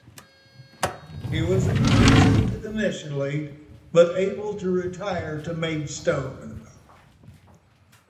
He was imprisoned initially but able to retire to Maidstone.